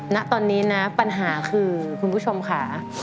ณตอนนี้นะปัญหาคือคุณผู้ชมค่ะ